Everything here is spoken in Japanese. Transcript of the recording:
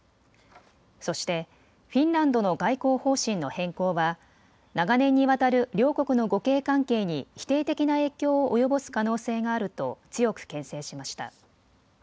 そして、フィンランドの外交方針の変更は長年にわたる両国の互恵関係に否定的な影響を及ぼす可能性があると強くけん制しました。